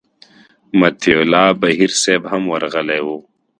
مطیع الله بهیر صاحب هم ورغلی و.